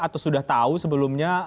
atau sudah tahu sebelumnya